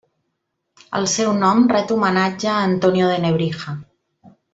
El seu nom ret homenatge a Antonio de Nebrija.